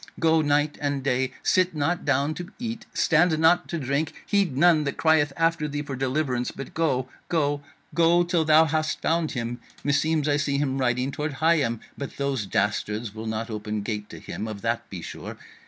Go night and day, sit not down to eat, stand not to drink; heed none that crieth after thee for deliverance, but go, go, go till thou hast found him. Meseems I see him riding toward Higham, but those dastards will not open gate to him, of that be sure.